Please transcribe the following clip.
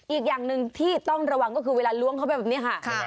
อีกอย่างหนึ่งที่ต้องระวังก็คือเวลาล้วงเข้าไปแบบนี้ค่ะ